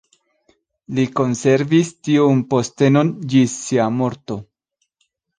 Li konservis tiun postenon ĝis sia morto.